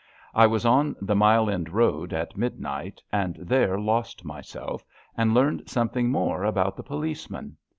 I was on the Mile End Road at midnight and there lost myself, and learned some thing more about the policeman.